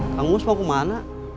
kang uus mau ke mana